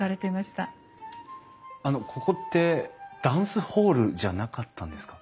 あのここってダンスホールじゃなかったんですか？